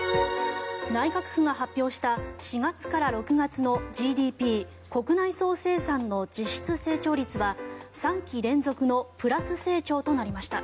内閣府が発表した４月から６月のＧＤＰ・国内総生産の実質成長率は３期連続のプラス成長となりました。